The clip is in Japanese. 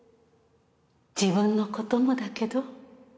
自分のこともだけど